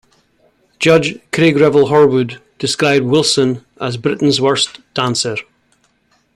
Judge Craig Revel Horwood described Willson as "Britain's Worst Dancer".